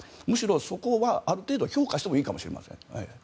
そこはむしろ、ある程度評価してもいいかもしれません。